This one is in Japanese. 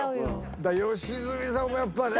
良純さんもやっぱね。